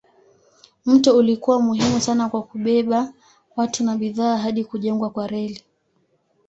Mto ulikuwa muhimu sana kwa kubeba watu na bidhaa hadi kujengwa kwa reli.